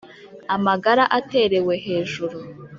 Amagara aterewe hejuru